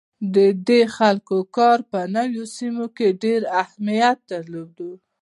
د دې خلکو کار په نوو سیمو کې ډیر اهمیت درلود.